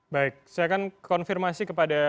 baik saya akan konfirmasi kepada pak amir